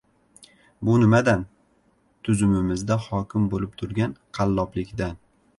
Bu nimadan? Tuzumimizda hokim bo‘lib turgan qalloblikdan!